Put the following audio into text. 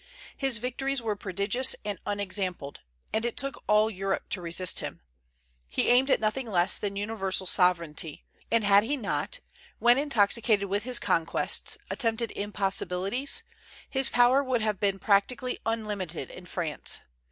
His victories were prodigious and unexampled; and it took all Europe to resist him. He aimed at nothing less than universal sovereignty; and had he not, when intoxicated with his conquests, attempted impossibilities, his power would have been practically unlimited in France.